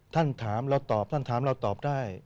ท่านถามเราตอบท่านถามเราตอบได้